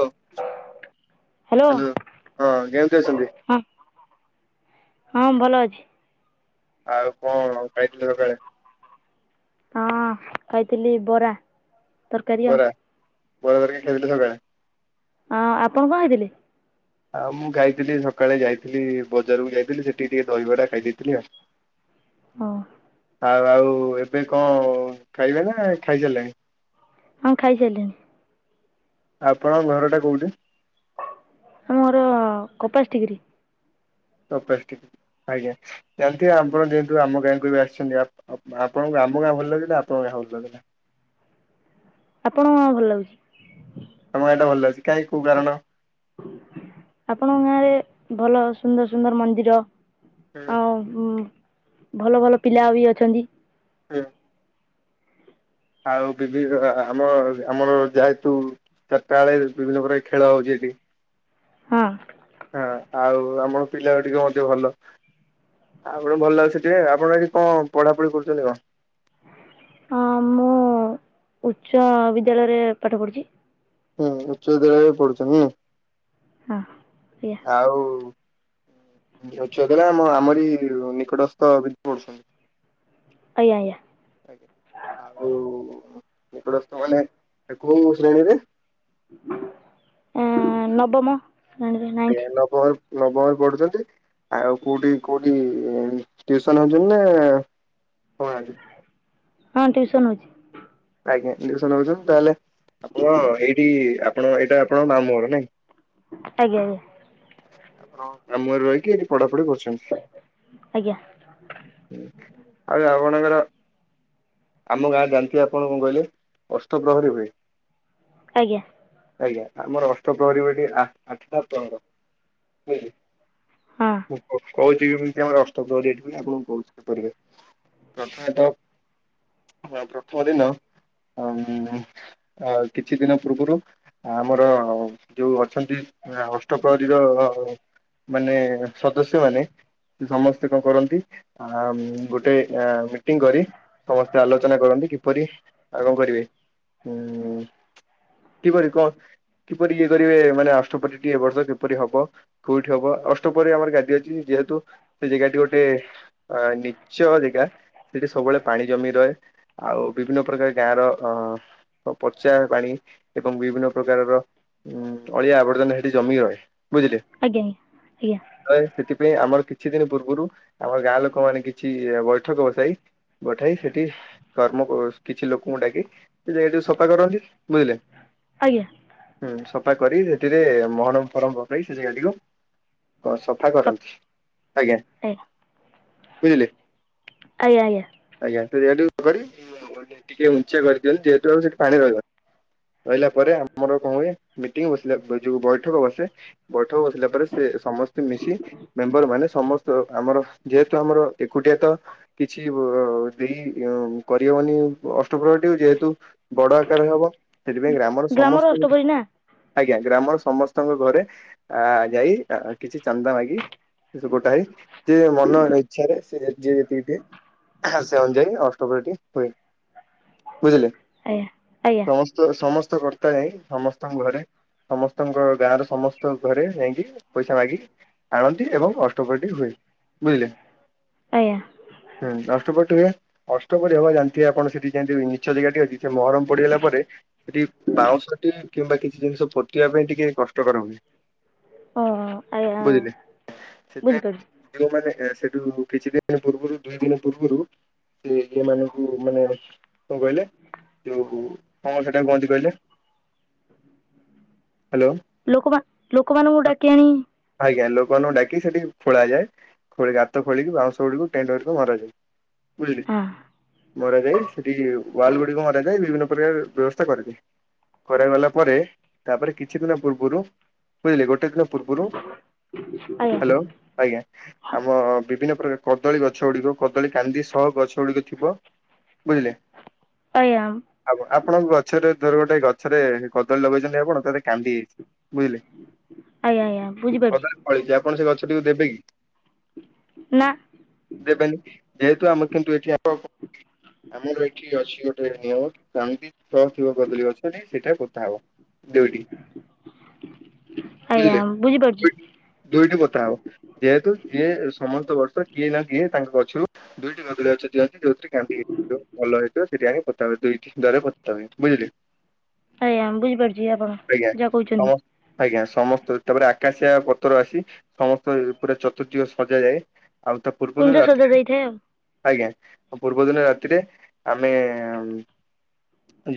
Hello hello hello, ହଁ କେମତି ଅଛନ୍ତି? ହଁ ହଁ, ଭଲ ଅଛି। ଆଉ କଣ ଖାଇଥିଲ ସକାଳେ? ହଁ ଖାଇଥିଲି ବରା, ତରକାରୀ ଆଉ। ବରବର କେ ଖେଳିତେ ସାରିଲାଣି ହଁ, ଆପଣ କଣ ହେଇଥିଲେ। ଆଉ ମୁଁ ଯାଇଥିଲି ସକାଳେ ଯାଇଥିଲି ବଜାରକୁ ଯାଇଥିଲି ସେଠିକି ଟିକେ ଦହିବାଟା ଖାଇଦେଇଥିଲି ଆଉ। ହଁ ଆଉ ଆଉ ଏବେ କଣ ଖାଇବେ ନା ଖାଇସାରିଲେଣି? ହଁ ଖାଇସାରିଲିଣି ଆପଣଙ୍କ ଘର ଟା କୋଉଠି? ଆମ ଘର କପାସଡିଗିରୀ ଆଜ୍ଞା ଜେମିତି ଆପଣ ଯେହେତୁ ଆମ ଗାଁକୁ ବି ଆସିଛନ୍ତି ଆପଣଙ୍କୁ ଆମ ଗାଁ ଭଲ ଲଗିଲା ଆପଣ ଏହା ଭାବିଛନ୍ତି। ଆପଣ କଣ ଭଲ ଲାଗୁଛି। ଆମ ଗାଆଁଟା ଭଲଲାଗୁଛି, କାହିଁକି କୋଉ କାରଣ। ଆପଣଙ୍କ ଗାଁରେ ଭଲ ସୁନ୍ଦର ସୁନ୍ଦର ମନ୍ଦିର, ଆଉ ଉଁ ଭଲ ଭଲ ପିଲା ବି ଅଛନ୍ତି। ହୁଁ। ଆଉ ବିଭି ଆମର ଆମର ଯାହେତୁ ଚାରିଟା ବେଳେ ବିଭିନ୍ନ ପ୍ରକାର ଖେଳ ହଉଛି ଏଠି। ହଁ। ହଁ, ଆଉ ଆମର ପିଲା ଗୁଡିକ ମଧ୍ୟ ଭଲ। ଆପଣ ଭଲ ଲାଗୁଛି ଟିକେ ଆପଣ ଏଠି କଣ ପଢାପଢି କରୁଛନ୍ତି କଣ? ହଁ, ମୁଁ ଉଚ୍ଚ ବିଦ୍ୟାଳୟରେ ପାଠ ପଢୁଛି। ହୁଁ, ଉଚ୍ଚ ବିଦ୍ୟାଳୟରେ ପଡୁଛନ୍ତି ହୁଁ। ହଁ ଆଜ୍ଞା ଆଉ- ଛଲେ। ନା, ମୁଁ ଆମ ଆମରି ନିକଟସ୍ଥ ବିଧି ପଡୁଛନ୍ତି। ଅୟା ୟା ଆଉ ଏପଡ ସମାନେ କଉ ଶ୍ରେଣୀରେ ଏଁ ନବମ ନାଇଣ୍ଟି ନବମରେ ନବମରେ ପଢୁଛନ୍ତି ଆଉ କୋଉଠି କୋଉଠି ଟ୍ୱିସନ୍ ହଉଛନ୍ତି ନା ହଁ ଆ ହଁ ଟ୍ୟୁସନ ହଉଛି [unintelligible] ତାହେଲେ ଆପଣ ଏଇଠି ଆପଣ ଏଇଟା ଆପଣ ମାମୁଁ ଘର ନାଇଁ ଆଜ୍ଞା ଆଜ୍ଞା। ଆପଣ ମାମୁଁଘରେ ରହିକି ଏଠି ପଢାପଢି କରୁ ଆଜ୍ଞା ଆଉ ଆପଣଙ୍କର ଆମ ଗାଁ ଜାଣିଥିବେ ଆପଣ କଣ କହିଲେ ଅଷ୍ଟ ପ୍ର୍ରହରୀ ହୁଏ। ଆଜ୍ଞା। ଆଜ୍ଞା ଆମର ଅଷ୍ଟ ପ୍ରହରୀ ଏଠି ଆଠଟା ପ୍ରହର ହୁଏ। ଆ ହଁ [unintelligible] [unintelligible] ହଁ ପ୍ରଥମ ଦିନ। ଅମ କିଛି ଦିନ ପୂର୍ବରୁ ଆମର ଯୋଉ ଅଛନ୍ତି। ନା ଅଷ୍ଟପ୍ରହରୀର ମାନେ ସଦସ୍ୟ ମାନେ ସମସ୍ତେ କଣ କରନ୍ତି ଆ ଗୋଟେ ମିଟିଂ କରି ସମସ୍ତେ ଆଲୋଚନା କରନ୍ତି କିପରି ଆଉ କଣ କରିବେ ହୁଁ। [unintelligible] କିପରି ଇଏ କରିବେ ମାନେ ଅଷ୍ଟପଟିଟି ଏ ବର୍ଷ କିପରି ହବ କୋଉଠି ହବ ଅଷ୍ଟପ୍ରହରୀ ଆମର ଗାଦି ଅଛି। ଯେହେତୁ ସେ ଜାଗାଟି ଗୋଟେ ଅ ନିଚ ଜାଗା ସେଠି ସବୁବେଳେ ପାଣି ଜମି ରହେ ଆଉ ବିଭିନ୍ନ ପ୍ରକାର ଗାଁ ର ଅ ପଚା ପାଣି ଏବଂ ବିଭିନ୍ନ ପ୍ରକାରର ଉଁ ଅଳିଆ ଆବର୍ଜନା ସେଠି ଜମି ରହେ ବୁଝିଲେ ଆଜ୍ଞା ଆଜ୍ଞା ତ ସେଥିପାଇଁ ଆମର କିଛି କିଛି ଦିନ ପୂର୍ବରୁ ଆମର ଗାଁ ଲୋକ ମାନେ କିଛି ବୈଠକ ବସାଇ ବଠାଇ ସେଠି କର୍ମ କିଛି ଲୋକଙ୍କୁ ଡାକି ସେ ଜାଗଠିକୁ ସଫା କରନ୍ତି ବୁଝିଲେ ଆଜ୍ଞା ହୁଁ ସଫା କରି ହେ ମହରମ ଫହରମ ପକେଇ ସେ ଜାଗାଟିକୁ ହଁ ସଫା ଆଜ୍ଞା କରନ୍ତି ଆଜ୍ଞା ବୁଝିଲେ ଆଜ୍ଞା ଆଜ୍ଞା ଆଜ୍ଞା ସେ ଯେହୁ ଟିକେ ଉଞ୍ଚିା କରିଦିଅନ୍ତୁ ଯେହେତୁ ଆଉ ସେଠି ପାଣି ରହିବନି ରହିଲା ପରେ ଆମର କଣ ହୁଏ ମିଟିଂ ବସିଲା ଯୋଉ ବୈଠକ ବସେ ବୈଠକ ବସିଲା ପରେ ସେ ସମସ୍ତେ ମିଶି ମେମ୍ବର ମାନେ ସମସ୍ତ ଆମର ଯେହେତୁ ଆମର ଏକୁଟିଆ ତ କିଛି ଅଁ ଦେଇ ଅମ୍ କରବନି ଅଷ୍ଟ ଅ ଯେହେତୁ ବଡ ଆକାର ହବ ସେଥିପାଇଁ ଗ୍ରାମର ସମସ୍ତ ଅଷ୍ଟପରି ନା ଆଜ୍ଞା ଗ୍ରାମର ସମସ୍ତଙ୍କ ଘରେ ଆ ଯାଇ କିଛି ଚାନ୍ଦା ମାଗି ଗୋଟା ହେ ଜୀଏ ମନ ଇଚ୍ଛାରେ ସେ ଯିଏ ଯେତିକି ଦିଏ ସେ ଅନୁଯାୟୀ ଅଷ୍ଟୋବରଟି ହୁଏ ବୁଝିଲେ ଆଜ୍ଞା ଆଜ୍ଞା ସମସ୍ତ ସମସ୍ତ କର୍ତ୍ତା ଯାଇ ସମସ୍ତଙ୍କ ଘରେ ସମସ୍ତଙ୍କ ଗାଁ ର ସମସ୍ତ ଘରେ ଯାଇକି ପଇସା ମାଗି ଆଣନ୍ତି ଏବଂ ଅଷ୍ଟକଟି ହୁଏ ବୁଝିଲେ ଆଜ୍ଞା ହୁଁ ଆ ଅଷ୍ଟ କରିହବା ଜାଣିଥେ ଆପଣ ସେଠି ନିଚ ଜାଗା ଟିକ ଅଛି ମହରମ ପଡିଗଲା ପରେ ସେଠି ବାଉଁଶଟି କିମ୍ବା କିଛି ଜିନିଷ ପୋତେଇିବା ପାଇଁ ଟିକେ କଷ୍ଟକର ହୁହେଁ ଓ ଆଜ୍ଞା ବୁଝିଲେ ବୁଝିପାରୁଛି ସେଥି [unintelligible] ସେଠୁ କିଛି ଦିନ ପୂର୍ବରୁ ଦୁଇ ଦିନ ପୂର୍ବରୁ ସେ ଇ ମାନଙ୍କୁ ମାନେ କଣ କହିଲେ ଯୋଉ କଣ ସେଠା କୁହନ୍ତି କହିଲେ ହ୍ୟାଲୋ ଲୋକମା ଲୋକମାନାନଙ୍କୁ ଡାକି ଆଣି ନ ଡାକି ସେଠି ଖୋଳାଯାଏ ଖୋ ଗାତ ଖୋଳିକି ବାଉଁଶ ଗୁଡ଼ିକୁ ଟେଣ୍ଟୁିକକୁ ମରାଯାଏ ବୁଝିଲି ହଁ ମର ଯାଏ ସେଠି ୱାଲ ଗୁଡିକ ମର ଯାଏ ବିଭିନ୍ନ ପ୍ରକାର ବ୍ୟବସ୍ଥା କରିଦେ କରାଗଲା ପରେ ତାପରେ କିଛି ଦିନ ପୂର୍ବରୁ ବୁଝିଲେ ଗୋଟେ ଦିନ ପୂର୍ବରୁ ଆଜ୍ଞା ହ୍ୟାଲୋ ଆଜ୍ଞା ଆମ ବିଭିନ୍ନ କାର କଦଳୀ ଗଛ ଗୁଡିକ କଦଳୀ କାନ୍ଦି ସହ ଗଛ ଗୁଡିକ ଥିବ ବୁଝିଲେ ଆଜ୍ଞା ଆ ଆପଣଙ୍କ ଗଛରେ ର ଗୋଟେ ଗଛରେ କଦଳୀ ଲଗେଇଛନ୍ତି ଆପଣ ତାରେ କାନ୍ଦି ଯାଇଛି ବୁଝିଲେ ଆଜ୍ଞା ଆଜ୍ଞା ବୁଝିପାରୁଛି କଦା ପଳେଇଛି ଆପଣ ସେ ଗଛଟିକୁ ଦେବେ କି ନା ଦେବେନି ଯେହେତୁ ଆମେ କିନ୍ତୁ ଏଠି ଆ ଆମର ଏଠି ଅଛି ଗୋଟେ ନିୟମ କାଉଣ୍ଡି ଛସ୍ ଥିବ କଦଳୀ ଗଛଟି ସେଇଟା କଟା ହବ ଦୁଇଟି ଆଜ୍ଞା ବୁଝିଲେ ବୁଝୁ ଦୁଇଟି ଦୁଇଟି କଟା ହବ ଯେହେତୁ ଯିଏ ସମସ୍ତ ବର୍ଷ କିଏ ନା କିଏ ତାଙ୍କ ଛୁ ଦୁଇଟି ନବିଳ ଦିଅନ୍ତି ଯୋଉଥିରେ କାନ୍ଦି ହେଇଥିବ ଭଲ ହେଇଥିବ ସେଠି ଆଣି ପତା ହୁଏ ଦୁଇଟିରେ ପତା ହୁଏ ବୁଝିଲେ ଆଜ୍ଞା ବୁଝିପାରୁଛି ଆପଣ ଆଜ୍ଞା ଯାହା ସମ କହୁଚନ୍ତି ଆଜ୍ଞା ସମସ୍ତ ତାପରେ ଆକାଶିଆ ପତର ଆସି ସମସ୍ତ ପୁରା ଚତୃଦିଗ ସଜାଯାଏ ଆଉ ତା ପୂର୍ବ ଦିନ କୁଞ୍ଜ ସଜା ରାତିରେ ଯାଇଥାଏ ଆଉ ଆଜ୍ଞା ପୂର୍ବ ଦିନ ରାତିରେ ଆମେ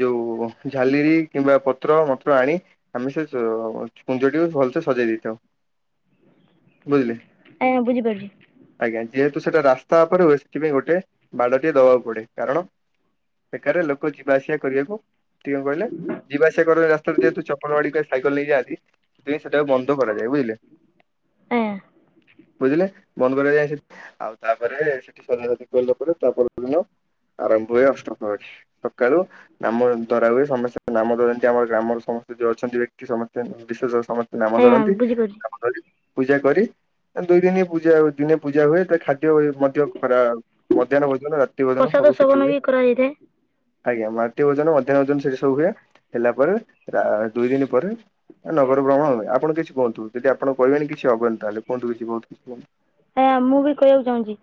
ଯୋଉ ଝାଲିରି କିମ୍ବା ପତ୍ର ମତ୍ର ଆଣି ଆମେ ସେ ଉଉ କୁଞ୍ଜଟି ଭଲସେ ସଜେଇ ଦେଇଥାଉ ହୁଁ ବୁଝିଲେ ଆଜ୍ଞା ବୁଝିପାରିଲି। ଆଜ୍ଞା ଯେହେତୁ ସେଟା ରାସ୍ତା ଉପରେ ହୁଏ ସେଥିପାଇଁ ଗୋଟେ ବାଡ଼ଟିଏ ଦବାକୁ ପଡେ କାରଣ ବେକାରିଆ ଲୋକ ଯିବା ଆସିବା କରିବାକୁ ଟିକେ କହିଲେ ଯିବା ଆସିବା କରିବା ରାସ୍ତାରେ ଯେହେତୁ ଚପଲ ବାଡିକ ସାଇକେଲ ନେଇ ଯାଆନ୍ତି। ସେଟାକୁ ବନ୍ଦ କରାଯାଏ ବୁଝିଲେ ଆଜ୍ଞା ବୁଝିଲେ ବନ୍ଦ କରାଯାଏ ସେଠି ଆଉ ତାପରେ ସେଠି ସଜାସଜି କଲା ପରେ ତା ପର ଦିନ ଆରମ୍ଭ ହୁଏ ଅଷ୍ଟପ୍ରହରୀ ସକାଳୁ ନାମ ଧରାହୁଏ ସମସ୍ତ ନାମ ଧରନ୍ତି ଆମର ଗ୍ରାମର ସମ ସ୍ତ ଯଉ ଅଛନ୍ତି ବ୍ୟକ୍ତି ସମସ୍ତେ ବିଶେଷ ସମସ୍ତେ ନାମ ଆଜ୍ଞା ଧରନ୍ତି ବୁଝିପାରୁଛି ନାମ ଧରି ପୂଜା କରି ଦୁଇ ଦିନି ପୂଜା ହୁଏ ଦିନେ ପୂଜା ହୁଏ ତା ଖାଦ ସେ ଉଏ ମଧ୍ୟ ଖରା ମଧ୍ୟାହ୍ନ ଭୋଜନ ରାତି ଭୋଜନ ପ୍ରସାଦ ସବୁ ସେଠି ସେବନ ହୁଏ ବି କରାଯାଇଥାଏ ଆଜ୍ଞା ମାଟି ଓଜନ ମଧ୍ୟାହ୍ନ ଓଜନ ସେଠୀ ସବୁ ହୁଏ ହେଲା ପରେ ରା ଦୁଇ ଦିନ ପରେ ନଗର ଭ୍ରମଣ ହୁଏ ଆପଣ କିଛି। କୁହନ୍ତୁ ଯଦିଆପଣ କ କହିବେନି କିଛି ହବନି ତାହେଲେ କୁହନ୍ତୁ କିଛି କୁହନ୍ତୁ କିଛି କୁହନ୍ତୁ ହଁ ମୁଁ ବି କହିବାକୁ ଚାହୁଁଛି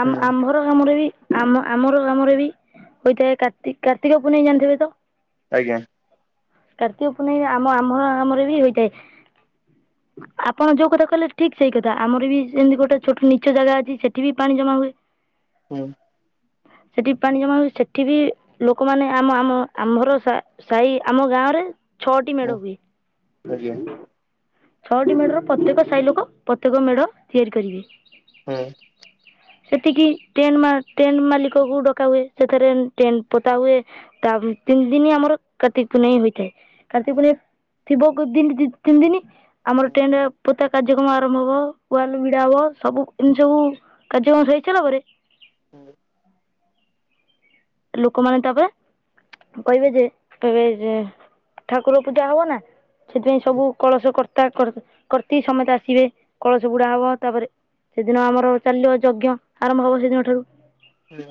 ଆମ ହୁଁ ଆମ୍ଭର କାମରେ ବି ଆମ ଆମର ଆମରେ ବି ହୋଇଥାଏ କାର୍ତ୍ତି କାର୍ତ୍ତିକ ପୂନେଇ ଜାଣିଥିବେ ତ ଆଜ୍ଞା। କାର୍ତ୍ତିକ ପୂନେଇ ଆମ ଆମର ଆମର ବି ହେଇଥାଏ ଆପଣ ଯୋଉ କଥା କହିଲେ ଠିକ୍ ସେଇ କଥା ଆମର ବି ସେମିତି ଗୋଟେ ଛୋଟ ନିଚ ଜାଗା ଅଛି ସେଠି ବି ପାଣି ଜମା ହୁଏ ହଁ। ସେଠି ପାଣି ଜମା ହଉଛି ସେଠି ବି ଲୋକମାନେ ଆମ ଆମ ଆମ୍ଭର ସା ସାହି ଆମ ଗାଁରେ ଛଅଟି ହୁଁ ମେଢ ହୁଏ ଆଜ୍ଞା ଛଅଟି ମେଢର ପ୍ରତ୍ୟେକ ସାହି ଲୋକ ପତ୍ୟେକ ମେଢ଼ ତିଆରି କରିବେ ହୁଁ। ସେତିକି ଟେନ ଟେଣ୍ଟ ମାଲିକକୁ ଡକା ହୁଏ ସେଥିରେ ଟେଣ୍ଟପୋତା ହୁଏ ତା ତିନି ଦିନି ଆମର କାତିକ ପୁନେଇ ହୋଇଥାଏ କାର୍ତ୍ତିକ ପୁନେଇ ଥିବୋ ଦ ତିନି ଦିନ ଆମର ଟେଣ୍ଡ ପୋତା କାର୍ଯ୍ୟକ୍ରମ ଆରମ୍ଭ ହବ ଉଆଲ ଭିଡା ହବ ସବୁ ଏମିତି ସବୁ କାର୍ଯ୍ୟକ୍ରମ ହେଇ ସାଇଲା ପରେ ହୁଁ। ଲୋକମାନେ ତବେ? କହିବେ ଯେ ଏବେ ଜୋ ଠାକୁର ପୂଜା ହବ ନା ସେଥିପାଇଁ ସବୁ କଳସ କର୍ତ୍ତା କର୍ତି ସମସ୍ତେ ଆସିବେ। କଳସ ବୁଡା ହବ ତାପରେ ସେଦିନ ଆମର ଚାଲିବ ଯଜ୍ଞ। ଆରମ୍ଭ ହବ ସେଦିନ ଠାରୁ ହୁଁ!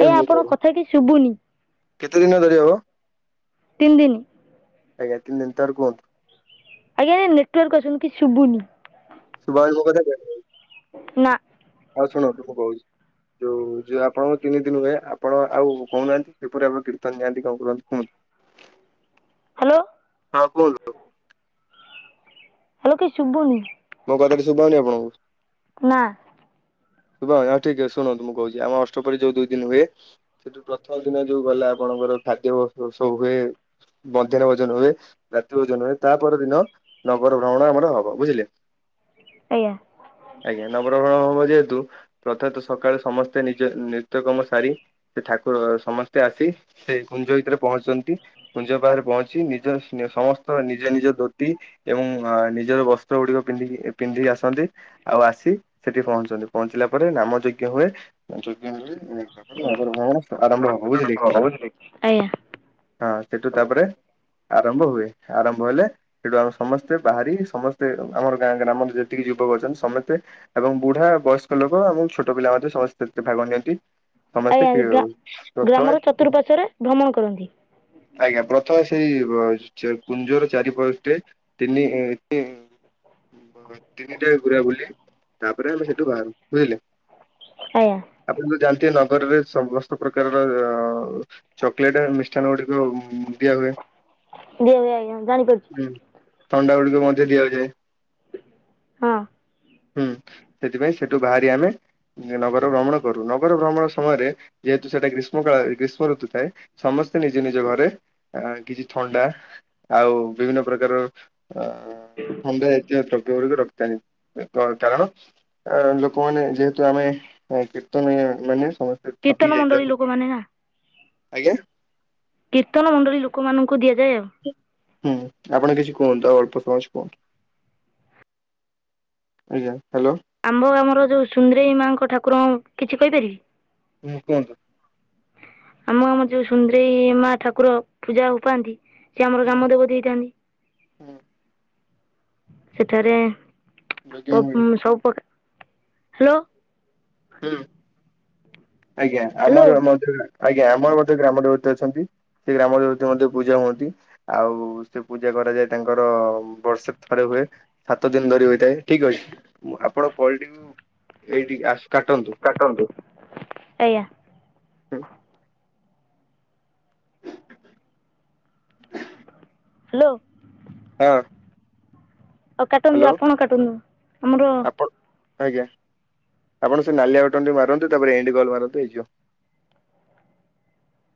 ଆଜ୍ଞା ଆପଣଙ୍କ କଥା କିଛି ଶୁଭୁନି କେତେ ଦିନ ଧରି ହବ? ତିନି ଦିନ [inaudible] ଆଜ୍ଞା! ନେଟୱାର୍କ ଆସୁନି କିଛି ଶୁଭୁନି। ସୁବା ଯାଉନି ମୋ କଥା, ନା ଆଉ ଶୁଣନ୍ତୁ ମୁଁ କହୁଛି। ଯୋଉ ଯଉ ଆପଣଙ୍କ ତିନି ଦିନ ହୁଏ ଆପଣ ଆଉ କହୁନାହାନ୍ତି କିପରି ଆପଣ କୀର୍ତ୍ତନ ନିଆନ୍ତି କଣ କରନ୍ତି କୁହନ୍ତି। ହ୍ୟାଲୋ ହଁ! କୁହନ୍ତ। ହେଲୋ କିଛି ଶୁଭୁନି। ମୋ କଥା କିଛି ଶୁବୁନି ଆପଣଙ୍କୁ? ନା ଶୁଣାଯାଉନି ହଁ ଠିକ ଅଛି ଶୁଣନ୍ତୁ ମୁଁ କହୁଛି। ଆମ ଅଷ୍ଟପହରି ଯୋଉ ଦୁଇ ଦିନ ହୁଏ, ସେଠୁ ପ୍ରଥମ ଦିନ ଯୋଉ ଗଲା ଆପଣ ଆମାର ଖାଦ୍ୟ [unintelligible] ସବୁ ହୁଏ। ମଧ୍ୟାହ୍ନ ଭୋଜନ ହୁଏ, ରାତ୍ରି ଭୋଜନ ହୁଏ, ତାପ ଦିନ ନଗର ଭ୍ରମଣ ଆମର ହବ ବୁଝିଲେ? ଆଜ୍ଞା ଆଜ୍ଞା! ନଗରଭ୍ରମଣ ହବ ଯେହେତୁ ପ୍ରଥମତଃ, ସକାଳୁ ସମସ୍ତେ ନିଜ ନିତ୍ୟ କର୍ମ ସାରି, ସେ ଠାକୁର ସମସ୍ତେ ଆସି ସେ କୁଞ୍ଜ ଭିତରେ ପହଞ୍ଚୁଛନ୍ତି। କୁଞ୍ଜ ପାଖରେ ପହଞ୍ଚି ନିଜ ସମସ୍ତ ନିଜ ନିଜ ଧୋତି ଏବଂ ନିଜର ବସ୍ତ୍ର ଗୁଡିକ ପିନ୍ଧିକି ପିନ୍ଧି ଆସନ୍ତି ଆଉ ଆସି ସେଠି ପହଞ୍ଚନ୍ତି। ପହଞ୍ଚିଲା ପରେ ନାମଯଜ୍ଞ ହୁଏ ଯଜ୍ଞ ହୁଏ। ତାପରେ ନଗର ଭ୍ରମଣ ଆରମ୍ଭ ହବ ବୁଝିଲେ? ଆଜ୍ଞା ହଁ! ସେଠୁ ତାପରେ ଆରମ୍ଭ ହୁଏ। ଆରମ୍ଭ ହେଲେ ସେଠୁ ଆମେ ସମସ୍ତେ ବାହାରି ସମସ୍ତେ ଆମର ଗାଁ ଗ୍ରାମର ଯେତିକି ଯୁବକ ଅଛନ୍ତି ସମସ୍ତେ ଏବଂ ବୁଢ ବୁଢା ବୟସ୍କ ଲୋକ ଏବଂ ଛୋଟ ପିଲା ମାନେ ସମସ୍ତେ ସେଥିରେ ଭାଗ ନିଅନ୍ତି। ସମସ୍ତେ ଆଜ୍ଞା କି ଗା ଗ୍ରାମର [unintelligible] ଚତୁଃପାର୍ଶ୍ଵରେ ଭ୍ରମଣ କରନ୍ତି ଆଜ୍ଞା! ପ୍ରଥମେ ସେଇ କୁଞ୍ଜର ଚାରିପଟେ ତିନି ଇ-ଇ ତିନିଟା ଘୁରା ବୁଲି, ତାପରେ ଆମେ ସେଠୁ ବାହାରୁ। ବୁଝିଲେ? ଆଜ୍ଞା ଆପଣ ଯ ଜାଣି ଗ ନଗରରେ ସମସ୍ତ ପ୍ରକାରର ଚକୋଲେଟ ମିଷ୍ଟାନ ଗୁଡିକ ଦିଆ ହୁଏ। [unintelligible] ଆଜ୍ଞା ଜାଣିପାରୁଛି। ଥଣ୍ଡା ଗୁଡ଼ିକ ମଧ୍ୟ ଦିଆଯାଏ। ହଁ। ହୁଁ ସେଥିପାଇଁ ସେଠୁ ବାହାରି ଆମେ ନଗର ଭ୍ରମଣ କରୁ। ନଗର ଭ୍ରମଣ ସମୟରେ ଯେହେତୁ ସେଟା ଗ୍ରୀଷ୍ମ କାଳ ଗ୍ରୀଷ୍ ଋତୁ ଥାଏ, ସମସ୍ତେ ନିଜ ନିଜ ଘରେ କିଛି ଥଣ୍ଡା ଆଉ ବିଭିନ୍ନ ପ୍ରକାର ଆ ଥଣ୍ଡା ହେଇଥିବା ଦ୍ରବ୍ୟ ଗୁଡିକ ରଖିଥାନ୍ତି କ-କାରଣ ଅ ଲୋକମାନେ ଯେହେତୁ ଆମେ କୀର୍ତ୍ତନୀ ମାନେ ସମସ୍ତେ ଥକି କୀର୍ତ୍ତନ ମଣ୍ଡଳୀ ଯାଇଥାଉ ଲୋକମାନେ ନା? ଆଜ୍ଞା? କୀର୍ତ୍ତନ ମଣ୍ଡଳୀ ଲୋକମାନଙ୍କୁ ଦିଆଯାଉଛି। ହୁଁ ଆପଣ କିଛି କୁହନ୍ତୁ ଆଉ ଅଳ [inaudible] ଆଜ୍ଞା ହ୍ୟାଲୋ ଆମ୍ଭ ଗ୍ରମର ଯୋଉ ସୁନ୍ଦରେଇ ମାଆଙ୍କ ଠାକୁରଙ୍କ କିଛି କହିପାରିବି? ହୁଁ କୁହନ୍ତୁ। ଆମ ଆମର ଯୋଉ ସୁନ୍ଦରେଇ ମା ଠାକୁର ପୂଜା ହଉ ପାଆନ୍ତି ସେ ଆମର ହୁଁ ଗ୍ରାମ ଦେବତୀ ହେ, ହୁଁ ସେଠାରେ ଯଜ୍ଞ ହୁଏ ସ ହ୍ୟାଲୋ। ହଁ। ଆଜ୍ଞା ହ୍ୟାଲୋ ଆମର ଆଜ୍ଞା ଆମର ଗ୍ରାମ। ଅଛନ୍ତି ସେ ଗ୍ରାମ ଦେତ ମଧ୍ୟ ପୂଜା ହୁଅନ୍ତି ଆଉ ସେ ପୂଜା କରାଯାଏ ତାଙ୍କର ବର୍ଷେ ଥରେ ହୁଏ ସାତ ଦିନ ଧରି ହୋଇଥାଏ ଠିକ ଅଛି ଆପଣ କଟି ଏଇଠି ଆସ କାଟନ୍ତୁ କାଟନ୍ତୁ ଆଜ୍ଞା। ହଁ [inaudible] ହ୍ୟାଲୋ ହଁ ଆଉ କାଟନ୍ତୁ ଆପଣ କାଟନ୍ତୁ ଆମର ଆପଣ ଆଜ୍ଞା ଆପଣ ସେ ନାଲିଆ ବଟନ ଟି ମାରନ୍ତୁ ତାପରେ ଏଡିଗଲ ମାରନ୍ତୁ ଏଇଯିବ [inaudible]